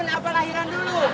mendingan juga lahiran dulu ya